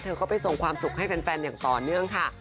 เข้าไปส่งความสุขให้แฟนอย่างต่อเนื่องค่ะ